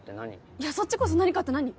いやそっちこそ何かって何？